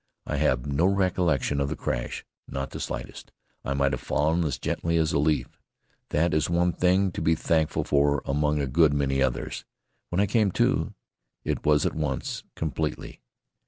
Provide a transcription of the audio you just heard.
I have no recollection of the crash, not the slightest. I might have fallen as gently as a leaf. That is one thing to be thankful for among a good many others. When I came to, it was at once, completely.